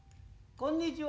こんにちは。